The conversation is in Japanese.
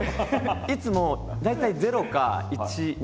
いつも大体０か１２。